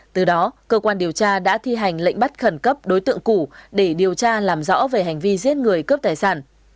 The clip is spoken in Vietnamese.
từ đó cơ quan điều tra đã thi hành lệnh bắt khẩn cấp đối tượng cổ để điều tra làm rõ về hành vi giết người cướp tài sản